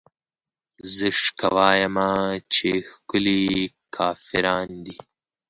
زه شکه وايمه چې ښکلې کافران دي